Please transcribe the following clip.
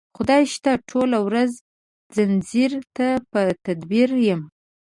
خدای شته ټوله ورځ ځنځیر ته په تدبیر یم